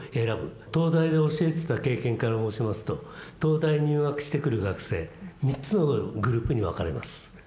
東大で教えてた経験から申しますと東大に入学してくる学生３つのグループに分かれます。